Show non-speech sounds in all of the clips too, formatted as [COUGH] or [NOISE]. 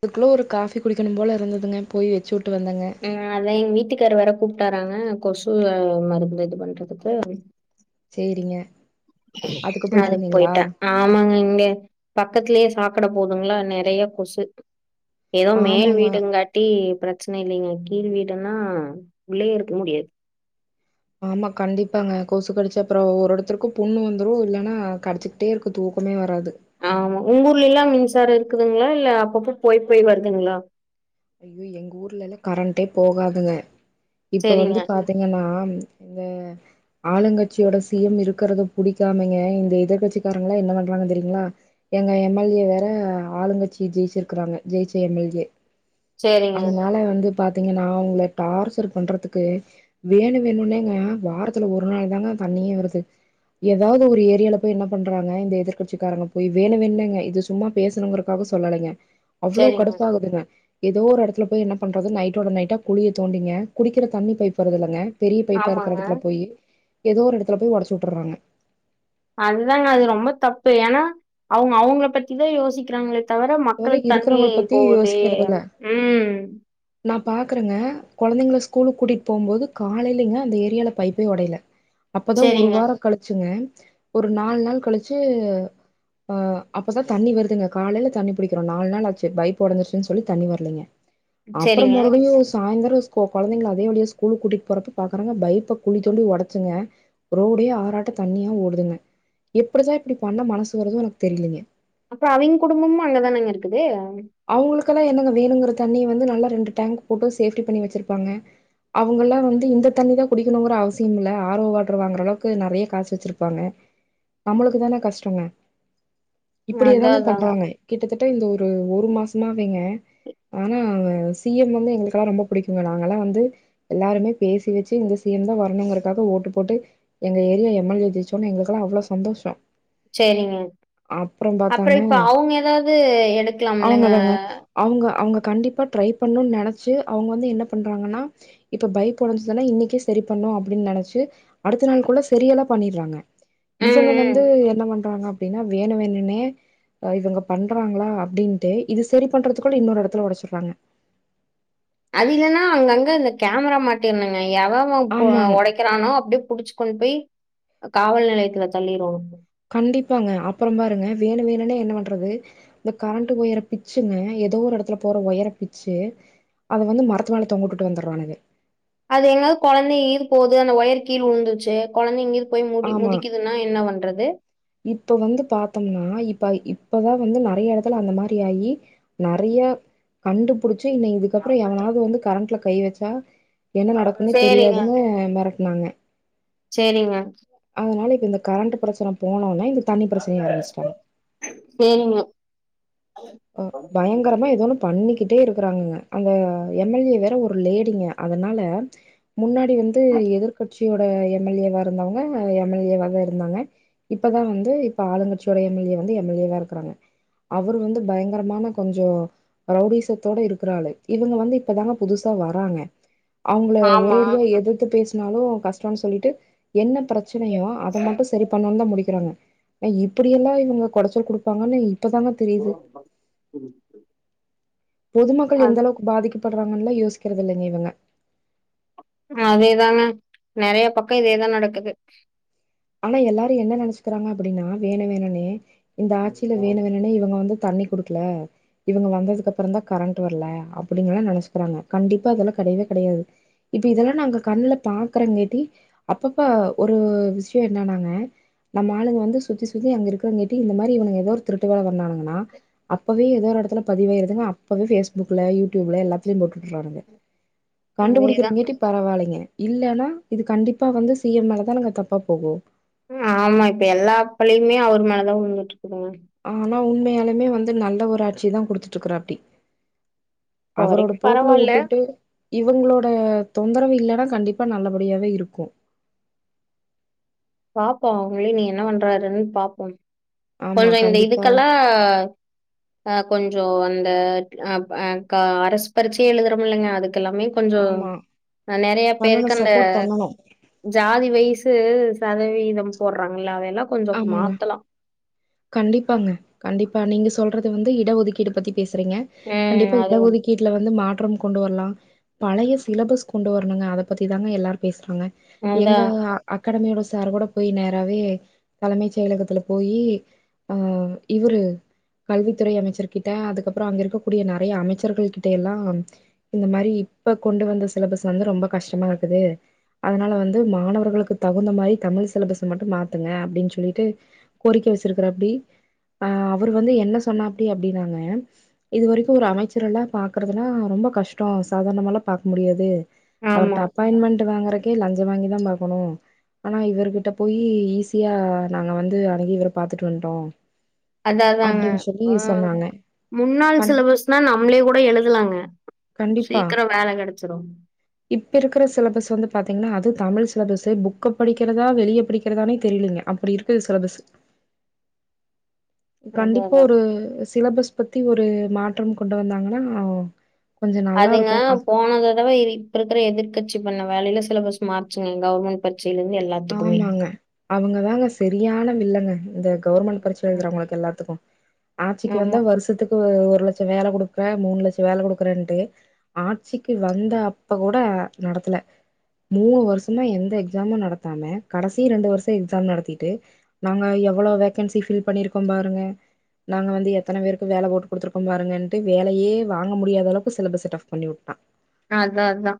அதுக்குள்ள ஒரு காபி குடிக்கணும் போல இருந்ததுங்க போய் வச்சு வந்தேங்க உஹ் அதான் எங்க வீட்டுக்கு வீட்டுக்கரு வேற கூப்பிட்டாராங்க கொசு மருபு இது பண்றதுக்கு செரிங்க அதுக்கு போயிட்டேன் ஆமாங்க இங்க பக்கத்தலயே சாக்கட போதுங்களா நிறைய கொசு ஏதோ மேல் ஆமாங்க வீடுங்காட்டி பிரச்சனை இல்லைங்க கீழ் வீடுன்னா உள்ளயே இருக்க முடியாது ஆமா கண்டிப்பாங்க கொசு கடிச்சா அப்புறம் ஒரு ஒவ்வொருத்தருக்கு புண்ணு வந்துரும் இல்லைன்னா கடிச்சிக்கிட்டே இருக்கு தூக்கமே வராது ஆமா உங்க ஊர்லயெல்லாம் மின் சரம் இருக்குதுங்களா இல்ல அப்பப்ப போய் போய் வருதுங்களா ஐயோ எங்க ஊர்லல்ல கரண்டே போகாதுங்க இப்ப செரிங்க வந்து பாத்தீங்கன்னா இந்த ஆளுங்கட்சியோட சிஎம் இருக்கறத புடிக்காமங்க இந்த எதிர்கட்சிக்காரங்காம் என்ன பண்றாங்கு தெரியுங்களா எங்க எம்எல்ஏ வேற ஆளுங்கட்சி ஜெயிச்சிருக்கறாங்க ஜெயிச்ச அன்னேக்கே செரிங்க அதனால வந்து பாத்தீங்கன்னா அவங்க டார்ச்சர் பண்றதுக்கு வேண வேணும்னேங்க வாரத்துல ஒரு நாள் தாங்க தண்ணியே வருது ஏதாவது ஒரு ஏரியால போய் என்ன பண்றாங்க இந்த எதிர்க்கட்சிக்காரங்க போய் வேணும் வேணுனங்க இது சும்மா பேசணுங்குறதுக்காக சொல்லலைங்க அவ்வளோ செரிங்க கடுப்பாகுதுங்க ஏதோ ஒரு இடத்துல போய் என்ன பண்றது நைட்டோட நைட்டா குளியை தோண்டிங்க குடிக்கிற தண்ணி பைப்பு வருறதுல்லங்க பெரிய பைப்பா இருக்குற ஆமாங்க இடத்துல போய் ஏதோ ஒரு இடத்துல போய் உடச்சு வுட்றாங்க அதுதாங்க அது ரொம்ப தப்பு ஏன்னா அவங்க அவங்கள பத்திதான் யோசிக்கிறாங்கள தவிர இதுவர மக்கள் தண்ணி இருக்கிறவங்கள பத்தி போகுதே உம் நான் பாக்குறேங்க குழந்தைங்களை ஸ்கூலு கூட்டிட்டு போகும் போது காலையிலங்க அந்த ஏரியால பைப்பே உடையல அப்பதான் ஒரு செரிங்க வாரம் கழிச்சுங்க ஒரு நாலு நாள் கழிச்சு ஆஹ் அப்பதான் தண்ணி வருதுங்க காலையில தண்ணி புடிக்கிறோம் நாலு நாள் ஆச்சு பைப்பு உடைந்துருச்சுன்னு சொல்லி தண்ணி வரலைங்க அப்புற செரிங்க மறுபடியு சாயந்தர ரோஸ் கோ குழந்தைங்க அதே வலிய ஸ்கூலு கூட்டிட்டு போறப்ப பாக்குறாங்க பய்ப்ப குழி தோண்டி உடைச்சுங்க ரோடே ஆறட்ட தண்ணியா ஓடுதுங்க எப்டிதா இப்டி பண்ண மனசு வறதோ எனக்கு தெரிலிங்க அப்புற அவிங்க குடும்பமு அங்கதானாங்க இருக்குது அவுங்களுக் கெல்லா என்னங்க வேணுங்கற தண்ணிய வந்து நல்லா ரெண்டு டேங்க் போட்டு சேஃப்டி பண்ணி வச்சிருப்பாங்க அவுங்க எல்லா வந்து இந்த தண்ணி தா குடிக்கணுங்கற அவசியம் இல்ல ஆர் ஓ வாட்டர் வாங்கற அளவுக்கு நறைய காசு வச்சிருப்பாங்க நம்மளுக்குதானே கஷ்டங்க இப்டி அதா ஏதாங்க அதா பண்றாங்க கிட்டத்தட் டு இந்த ஒரு ஒரு மாசமாவேங்க ஆனா அவ சி எம் [UNINTELLIGIBLE] எங்களுக்ககெல்லா ரொம்ப பிடிக்குங்க நாங்க எல்லா வந்து எல்லாருமே பேசி வச்சு இந்த சி எம் தா வரணுங்கிறதுக்காக ஓட்டு போட்டு எங்க ஏரியா எம் எல் ஏ ஜெயிச்சோன்ன எங்களுக்கெல்லா அவ்ளோ சந்தோஷ செரிங்க அப்புற இப்ப அவுங்க ஏதாவது எடுக்கலா அவுங்க தாங்க அவுங்க அவுங்க கண்டிப்பா ட்ரை பண்ணணு நினைச்சி அவுங்க வந்து என்ன பண்றாங்கன்னா இப்ப பைக் ஒடைஞ்சதானா இன்னிக்கே சரி பண்ணோ அப்டின் நினைச்சி அடுத்த நாள் கூட சரியெல்லா பண்ணிற்றாங்க ம், இவங்க ம். வந்து என்ன பண்றாங்க அப்டின்னா வேணு வேணுனே இவங்க பண்றாங்களா அப்டின் டு இது சரி பண்றதுக்குள்ள இன்னொரு இடத்துல உடைச்சிறாங்க அது இல்லன்னா அங்கங்க இந்த கேமரா மாட்டின்னுங்க எவ எவ ஒ ஆமாங்க ஒடைக்கிறானோ அப்டியே புடிச்சி கொண் போய் காவல் நிலையத்துல தள்ளிரணு கண்டிப்பாங்க அப்புற பாருங்க வேணு வேணுனே என்ன பண்றது இந்த கரண்ட் ஒயர பிச்சிங்க ஏதோ ஒரு எடத்துல போற ஒயர பிச்சி அத வந்து மரத்து மேல தொங்கவுட்டுட்டு வந்துற்றானுங்கே அது எங்காவது கொழந்த ஈர் போது அந்த ஒயர் கீழ் உழுந்துச்சி கொழந்தைங்க இரு ஆமா இப்ப வந்து பாத்தோம்னா இப்ப இப் இப்பதா வந்து நறைய எடத்துல அந்த மாரி ஆயி நறைய கண்டுபிடி ச்சி நீ இதுக்கப்புற எவனாது வந்து கரண்ட்ல கை வச்சா என்ன நடக்குன்ன தெரியாதுன்னு மெரட் நாங்க செரிங்க அதனால இப்ப இந்த கரண்ட் பிரச்சன போனோவுன்னே இது செரிங்க அ பயங்கரமா ஏதோண்ணு பண்ணி கிட்டே இருக்கிறாங்கங்க அந்த எம் எல் ஏ வேற ஒரு லேடிங்க அதனால முன்னாடி வந்து எதிர்கட்சியோட எம் எல் ஏ வா இருந்தவங்க எம் எல் ஏ வாவே இருந்தாங்க இப்பதா வந்து இப்ப ஆளுங்கட்சியோட எம் எல் எ வந்து எம் எல் ஏ வா இருக்குறாங்க அவரு வந்து பயங்கரமான கொஞ்சோ ரௌடீசத்தோட இருக்கிறாளு இவுங்க வந்து இப்பதாங்க புதுசா வராங்க அவுங்கள ஆமா. ஒரேடியா எதிர்த்து பேச னாலு கஷ்டோ சொல்லிட்டு என்ன பிர ச்சனையு அத மட்டு சரி பண்ணனு தா முடி க்கிறவ இப்டியெல்லா இவுங்க கொடைச்சல் குடுப்பாங்கன்னு இப்பதாங்க தெரிது புரிது. பொதுமக்கள் எந்த அளவுக்கு பாதிக்க படுறாங்கல்ல யோசிக்கறது இல்லங்க இவுங்க. அதேதான நெறைய பக்கோ இதேதா நடக்குது. ஆனா எல்லாரு என்ன நெனச்சுக்கிறாங்க அப்டின்னா வேணு வேணுனே. இந்த ஆட்சியில வேணு வேணுனே இவுங்க வந்து. தண்ணி குடுக்கல இவுங்க வந்ததுக்கு அப்புறோதா கரண்ட் வர்ல அப்டிங்கல்லா நெனச்சுக்கிறாங்க கண்டிப்பா அதெல்லா கெடையவே கெடையாது இப்ப இதெல்லா நாங்க கண்ணுல பாக்கற கேட்டி அப்பப்ப ஒரு விஷ். இப்டியே இருந்தோ‌நாங்க நம்ம ஆளுங்க வந்து சுத்தி சுத்தி அங்க இருக்கிறங்க கேட்டி இந்த மாரி இவுங்க ஏதோ ஒரு திருட்டு வேல பண்ணானுங்கன்னா. அப்பவே ஏதோ ஒரு எடத்துல பதிவுயாருதுங்க அப்பவே பேஸ்புக்ல யூடியூப்ல எல்லாத்தலையு போட்டுட்டுறானுங்க. அதேதான். கண்டுபுடிக்கிறங்கேட்டி பரவாயில்லங்க. இல்லன்னா இது கண்டிப்பா வந்து சிஎம் மேலதான்னுங்க தப்பு. அப்பகோ. ம்‌ ஆமா இப்ப எல்லா பலியுமே அவர் மேலதா உழுந்துட்டு இரு. ஆஹ. ஆனா உண்மையாலுமே வந்து நல்ல ஒரு ஆட்சிதா குடுத்துட்டு இருக்குறாப்டி. இப்ப அவரோட வரைக்கு போக்குல பரவால்ல வுட்டுட்டு. இவுங்களோட தொந்தரவு இல்லன்னா கண்டிப்பா நல்லபடியாவே இருக்கு. பாப்போ அவுங்களையும் இனி என்ன பண்றாருன்னு பாப்போ. ஆமா கொஞ்சோ இந்த கண்டிப்பா இதுக்கெல்லா ஆ கொஞ்சோ வந். இந்த அ பல அரசுபரிட்சை எழுதுறோமுல்லங்க அதுக். கெல்லாமே கொஞ்சோ ஆமா நெறைய பண்ணணு பேருக்கு அந்த சப்போர்ட் பண்ணணு ஜாதி வயிசு. சதவீதம் போடுறாங்கள அதெல்லா. ஆமாங்க மாத்தலா கண்டிப்பாங்க கண்டிப்பா நீங்கச். சொல்றது வந்து இடஒதுக்கீடு பத்தி. பேசுறீங்க ம் கண்டிப்பா அது இடஒதுக்கீட்ல வந்து மாற்றம். கொண்டு வரலா. பழைய சிலபஸ் கொண்டு வரணுங்க அத பத்திதாங்க எல்லாரு பேசுறாங்க. அதா எங்க அக்கடாமியோடஸ். சார் கூட போய் நேராவே. தலைமை செயலகத்துல போயி அ இவரு கல்வித்துறை அமைச்சர்கிட்ட அதுக்கப்புறோ அங்க இருக்கக்கூடிய நெறைய அமைச்சர்கள் கிட்ட எல்லா இந்த மாரி இப்ப கொண்டு வந்த சிலபஸ் வந்து ரொம்ப கஷ்டமா இருக்குது அதனால வந்து மாணவர்களுக்கு தகுந்த மாரி தமிழ் சிலபஸ் மட்டும் மாத்துங்க. அப்டின்னு சொல்லிட்டு கோரிக்க வச்சிருக்கறாப்டி. ஆ அவர் வந்து என்ன சொன்னாப்டி அப்பட்னாங்க இது வரைக்கும் ஒரு அமைச்சர எல்லா பாக்குறதுனா ரொம்ப கஷ்டோ சாதாரணமல்லா பாக்க முடியாது. அவருட்ட ஆமா அப்பாயின்மெண்ட் வாங்கற. லஞ்சம் வாங்கிதா பாக்கணு ஆனா இவர்கிட்ட போயி ஈசி. ஈசியா நாங்க வந்து அணுகி இவர பாத்துட்டு வன்ட்டோ. அதாதாங்க ஆ முன்னாள் கண் சிலபஸ்னா நம்மளே கூட எழுதலாங்க. கண்டிப்பா சீக்கிரோ வேல கெடச்சிரு இப்ப இருக்கிற சிலபஸ் வந்து பாத்தீங்கன்னா அது. தமிழ் சிலபஸ் புக்க படிக்கிறதா வெளிய படிக்கிறதானே தெரியலுங்க அப்படி இருக்குது சிலபஸ். அதா கண்டிப்பா அதா ஒரு சிலபஸ் பத். பத்தி ஒரு மாற்றம் கொண்டு வந்தாங்கன்னா கொஞ்சம் அதுங்க நல்லாருக்கும். அ போனத தடவை இப்ப இருக்கிற எதிர்கட்ச பண்ண வேலையில சிலபஸ் மாறுச்சுங்க கவர்ன்மெண்ட் பத்தி ஆமாங்க அவங்கதாங்க சரியான வில்லங்க இந்த கவர்மெண்ட் பருச்ச ம் எழுதுறங்க எல்லாத்துக்கும் ஆட்சிக்கு வந்த ஆமா வருத்துக்கு ஒரு லட்சம் வேலை கொடுக்குறேன் மூணு லட்சம் வேலை கொடுக்குறேன்டு ஆட்சிக்கு வந்த அப்ப கூட நடத்தல மூணு வருஷமா எந்த எக்ஸாமும் நடத்த கடைசி ரெண்டு வருஷம் எக்ஸாம் நடத்திட்டு நாங்க எவ்வளவு வேக்கன்சி பில் பண்ணிருக்கோம் பாருங்க நாங்க வந்து எத்தனை பேருக்கு வேலை போட்டு கொடுத்தருக்கோம் பாருங்கன்னன்ட்டு வேலையே வாங்க முடியாத அளவுக்கு சிலபஸ் டப் பண்ணி விட்டான் அதான் அதான்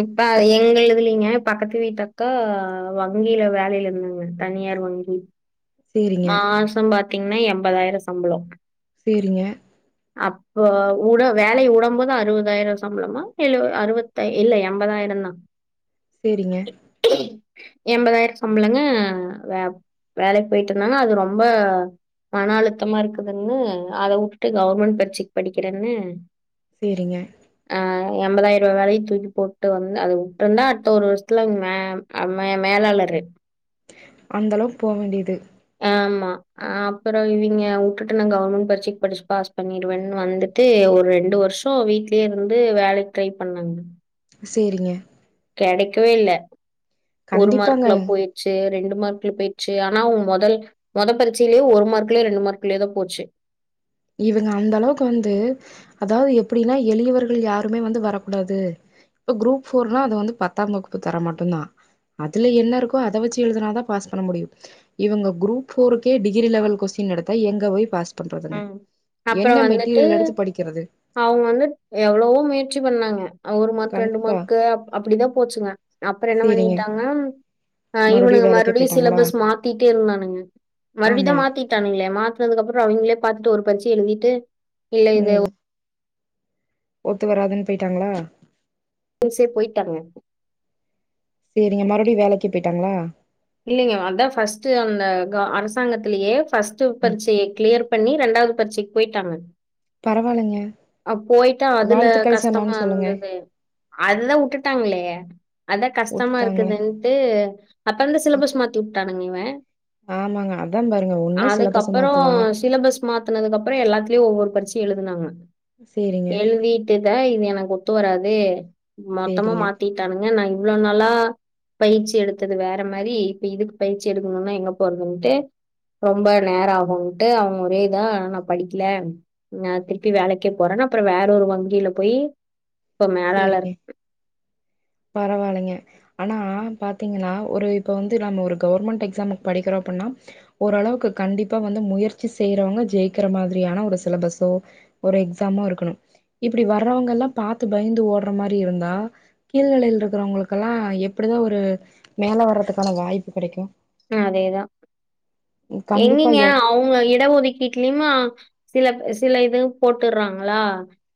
இப்ப எங்க இதுஇல்லங்க பக்கத்து விட்டக்கா வங்கியில வேலில நின்ன தனியார் வங்கி சேரிங்க மாசம்பத்தி த்தீங்கன்னா எண்பதாயிரம் சம்பளம் செரிங்க அப்போ உட வேலவுடும் போது அறுபதாயிரம் சம்பளமா எழு அறுபத்த இல்ல எண்பதாயிரம் தான் செரிங்க எண்பதாயிரம் சம்பளங்க வே வேலை போயிட்டு இருந்தாங்க அது ரொம்ப மன அழுத்தமா இருக்குதுன்னு அத கவர்மெண்ட் பர்சைக்கு படிக்குறேன்னு செரிங்க எணம்பதாயிரம் ரூபாய்லையையும் தூக்கி போட்டு வந்து அதது விட்டுருந்தா அடுத்த ஒரு வருஷத்துல மே மே மேலாளரு அந்த அளவுக்கு போக வேண்டியது ஆமா அப்புறம் இவங்க விட்டுட்டு நான் கவர்மெண்ட் பரிட்சைக்கு படிச்சுன் பாஸ் பண்ணிடுவேன்னு வந்துட்டு ஒரு ரெண்டு வருஷம் வீட்லயே இருந்து வேலைக்கு ட்ரை பண்ணேங்க செரிங்க கிடைக்கவே இல்ல ஒரு கண்டிப்பாங்க மார்க்ல போயிடுச்சு ரெண்டு மார்க்ல போயிடுச்சு ஆனா முதல் முதல் பரச்சையேயே ஒரு மார்க்கலேயே ரெண்டு மார்க்கலயே தான் போச்சு இவங்க அந்த அளவுக்கு வந்து அதாவது எப்படின்னா எளியவர்கள் யாருமே வந்து வரக்கூடாது இப்ப குரூப் போர்னா அத வந்து பத்தாம் வகுப்பு தர மட்டும்தான் அதுல என்ன இருக்கோ அதை வச்சு எழுதினாதான் பாஸ் பண்ண முடியும் இவங்க கரூப் போருக்கே டிகிரி லெவல் கொஸ்டின் எடுத்தா எங்க போய் பாஸ் பண்றதுங்க ம். என்ன அப்புறம் வந்துட்டு மெட்டீரியல் எடுத்து படிக்கிறது அவங்க வந்து எவ்வளவோ முயற்சி பண்ணாங்க உம் ஒரு மார்க் ரெண்டு கண்டிப்பா மார்க் அப்படிதான் போச்சுங்க அப்புறம் என்ன சேரிங்க பண்ணிட்டாங்கா ஆஹ் மறுபடியு இவனுங்க வேலைக்கு மறுபடியும் போயிட்டாங்களா சிலபஸ் மாத்திட்டே இருந்தானுங்க ஆமா மறுபடியடிதான் மாத்திட்டானுங்களே மாத்தனதுக்கு அப்பறம் அவங்களே ஒரு பச்சி எழுதிட்டு இல்ல இது ம் ஒத்து வராதுனு போயிட்டாங்களா உசே ப் போயிட்டாங்க ங்க மறுடியும் வேலைக்கு போயிட்டாங்களா இல்லைங்க அதா பாஸ்ட்டூஅந்த அரசாங்கத்திலயே ஃபர்ஸ்டூ ம் பரிசய கிளியர் பண்ணி ரெண்டாவது பரிசைக்கு போயிட்டாங்க பரவால்லங்க அப் போயிட்டா அதுல கஷ்டமா சொல்லுங்க இருந்தது அதுதான் உட்டுடாங்களே அதான் கஷ்டமா வுட்டுட்டாங்களே இருக்குதுன்ட்டு அப்புறம்ந் சிலபஸ் மாத்தி விட்டானுங்க இவன் ஆமாங்க அதா பாருங்க ஒன்னு சிலபஸ அதுக்கப்புறம் மாத்துவா சிலபஸ் மாத்தனது அப்புறம் எல்லாத்துலயும் ஒவ்வொரு பரிச் எலுதுனாங்க சேரிங்க எலுதிட்டு த இது எனக்கு கொ ஒத்து வராதே மொத்தமா சேரிங்க மாத்திட்டானங்க நான் இவ்ளோ நாளா பயிற்சி எடுத்தது வேற மாரி இப்ப இதுக்கு பயிற்சி எடுக்கணும்னா எங்க போறதுன்டு ரொம்ப நேரம் ஆகும்ட்டு அவங்க ஒரே இதான் நான் படிக்கல நான் திருப்பி வேல க்கு போறன்னு அப்புறம் வேற ஒரு வங்கில போய் இப்ப மேலாளர் செரிங்க பரவாலங்க ஆனா பாத்தீங்கன்னா ஒரு இப்ப வந்து நம்ம ஒரு கவர்மெண்ட் எக்ஸாமுக்கு படிக்கிறோம் அப்புன்னா ஓரளவுக்கு கண்டிப்பா வந்து முயற்சி செய்யறவங்க ஜெயிக்கிற மாரியான ஒரு சிலபஸோ ஒரு எக்ஸாமோ இருக்கணும் இப்டி வர்றவங்க எல்லாம் பாத்து பயந்து ஓடுற மாரி இருந்தா கீழ்நிலைலா இருக்கிறவங்களுக்கெல்லாம் எப்டிதான் ஒரு மேல வர்றதுக்கான வாய்ப்பு கிடைக்கும் ஆ அதே தான் கண்டிப்பா எங்கிங்க எ அவங்க இட ஒதுக்கீட்டுலயு மா சில சில இது போட்டுறாங்களா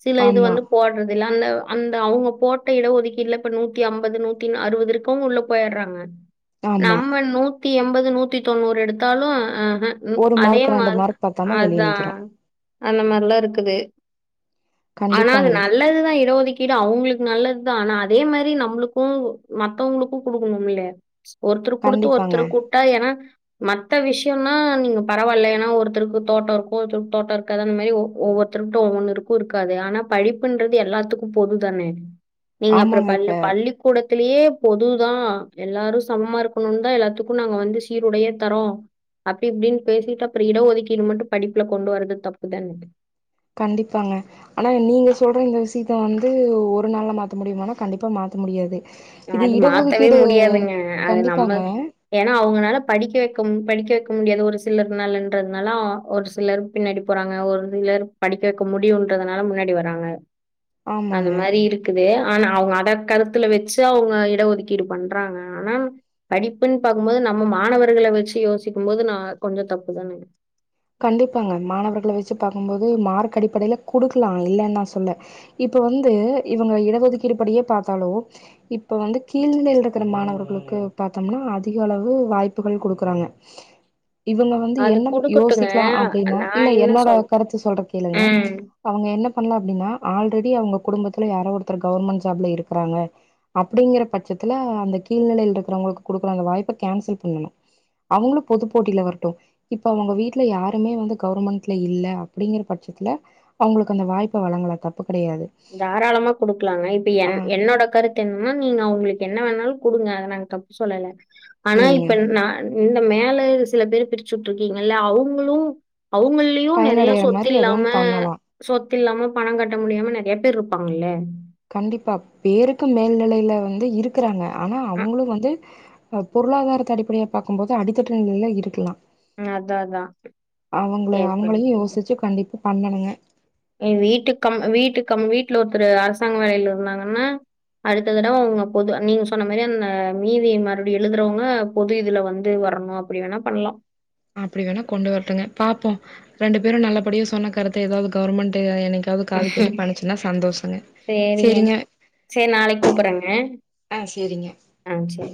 சில இது ஆமா வந்து போடுறது இல்ல ஆன் னு அந்த அவங்க போட்ட இடஒதுக்கீடல இப்ப நூத்தி ஐம்பது நூத்தி அறுவது இருக்குவங்க உள்ள போயிடுறாங்க ஆமா நம்ம நூத் நூதீ எண்பது நூத்தி தொண்ணூறு எடுத்தாலும் அ அ ஒரு அதே மார்க் ரெண்டு மாரி மார்க் பத்தாம வெளிய அதான் நிக்கிறோம் அந்த மாரிலா இருக்குது அனா அது கண்டிப்பாங்க நல்லதுதான் இடஒதுக்கீடு அவங்களுக்கு நல்லதுதான் ஆனா அ தே மாரி நம்மளுக்கோ மத்தவங்களுக்கும் கொடுக்கணும்ல்லய ஒத்தருகு குடுத்து ஒர் கண்டிப்பாங்க திருகுட்டா ஏனா மத்த விஷ குயோனா நீங்க பரவாயில்ல எனா ஒருத்தருக்கு தோட்டோ இருக்கும் ஒருத்தருக்கு தோட்டோ இருக்காது அந்த மாரி ஒவ்வொருத்தருக்கு ஒவ்வொன்னுருக்கும் இருக்காது ஆனா படிப்புன்றது எல்லாத்துக்கும் பொது தானே நீங்க அப்புறம் ஆமாங்க பள்ளி பள்ளிக்கூட இதலயே பொது தான் எல்லாரும் சமமா இருக்கணும்னு தான் எல்லாத்துக் கும் நாங்க வந்து சீருடயே தரோம் அப்டி இப்டின்னு பேசிட்டு அப்புறம் இடம் ஒதுக்கீடு மட்டும் படிப்புல கொண்டு வரது தப்புதாங்க கண்டிப்பாங்க ஆனா நீங்க சொல்ற இந்த விஷயத்த வந்து ஒரு நாள்ல மாத்த முடியுமனா கண்டிப்பா மாத்த முடியாது இது அது மாத்தவே இடஒதுக்கீடு முடியாதுங்க அது நம்ம கண்டிப்பாங்க. ஏனா அவங்கனால படிக்க வக்க ம் படிக்க வக் க முடியாது ஒரு சிலர்னாலன்றதுனால அ ஒரு சிலர் பின்னாடி போறாங்க ஒரு சிலர் படிக்க வெக்க முடியும்ன்றதுனால முன்னாடி வராங்க அந்த ஆமாங்க. மாரி இருக்குது ஆனா அவங்க அத கருத்துல வச்சு அவங்க இடஒதுக்கீடு பண்றாங்க ஆனா படிப்புன்னு பாரக்கும்போது நம்ம மாணவர்கள வச்சு யோசிக்கும் போது நான் கொஞ்சம் தப்பு தானே போது மார்க் அடிப்படையில கொடுக்கலாம் இல்லன்னு நான் சொல்ல இப்ப வந்து இவங்க இடஒதுக்கீடு படியே பார்த்தாலோ இப்ப வந்து கீழ்ல இருக்கிற மாணவர்களுக்கு பார்த்தோம்னா அதிக அளவு வாய்ப்புகள் கொடுக்குறாங்க இவங்க வந்து அது என்ன யோசி குடுக்கட்டுங்க. லாம் அப்டின்னா இல்ல நான் என்ன என்னோட சொல் கருத்து சொல்ற கேளுங்க ம். அவங்க என்ன பண்ணலாம் அப்டின்னா ஆல்ரெடி அவங்க குடும்பத்துல யார ஒருத்தரு கவெர்மென்ட் ஜாப்ல இருக்காங்க அப்டிங்கற பட்சத்துல அந்த கீழ்நில இருங்களுக்குடுக்க வாய்ப்பை கான்செல் அவங்களும் பொது போட்டிலவரட்டும் இப்ப அவங்க வீட் யாருமே வந்து கவர்மெண்ட்ல இல்ல அப்டிங்கிற பட்சத்தில அவங்களுக்கு அந்த வாய்ப்பு வழங்கல தப்பு கெடையாது தாராளமா குடுக்கலாங்க இப்ப ஆ என் என்னோட கருத்து என்னன்னா நீங்க அவங்களுக்கு என்ன வேணாலும் குடுங்க நாங்க தப்புசொல்லல ஆனா சேரிங்க இப்ப நான் இந்த மேல சில பேர் பிரிச்சுட்டிரிங்க இருக்கீங்கல்ல அவங்களும் அவங்களயும் நிறைய பயனடைற சொத்து மாரி ஏதோ இல்லாம ஒன்னு பண்ணலா சொ இல்லாம பணம் கட்ட முடியாம எப்ப இருப்பாங்கல்ல கண்டிப்பா பேருக்கு மேல்நிலையில வந்து இருக்கறாங்க ஆனா அ அவங்களும் வந்து பொருளாதாரத்து அடிப்படைல பாக்கும்போது அடித்தட்டு நிலையில இருக்கலாம் அதான் அதான். அவங்கள எப்படி அவங்களையும் யோசிச்சு கண்டிப்பா பண்ணணுங்க வீட்டு கம் வீட்டு கம் வீட்ல ஒருத்தர் அரசாங்க வேலைல இருந்தாங்கன்னா அடுத்த தடவ அவங்க பொது நீங்க சொன்ன மாரி அந்த மீதி மறுபடியும் எழுதுறவங்க பொது இதுல வந்து வரணும் அப்டி வேணா பண்ணலாம் அப்டி வேணா கொண்டு வரட்டுங்க பாப்போம் ரெண்டு பேரும் நல்லபடியும் சொன்ன கருத்த ஏதாவது கவர்மெண்ட் எனக்கு து காது கேட்டு பண்ணச்சுன்னா சந்தோஷங்க சரிங்க. சேரிங்க சரி நாளைக்கு கூப்பட்றேங்க. ஆஹ் சேரிங்க ஆ சரி.